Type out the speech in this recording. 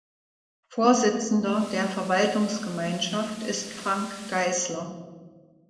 Vorsitzender der Verwaltungsgemeinschaft ist Frank Geißler.